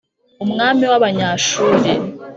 umwami w’Abanyashuru,